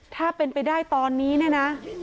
ถ้าเป็นไปได้ตอนนี้เนี่ยนะ